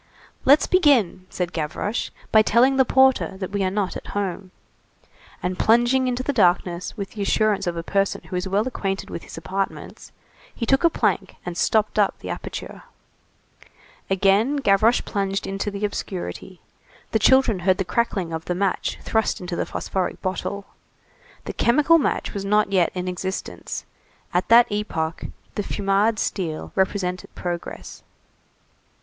"Let's begin," said Gavroche, "by telling the porter that we are not at home." And plunging into the darkness with the assurance of a person who is well acquainted with his apartments, he took a plank and stopped up the aperture. Again Gavroche plunged into the obscurity. The children heard the crackling of the match thrust into the phosphoric bottle. The chemical match was not yet in existence; at that epoch the Fumade steel represented progress.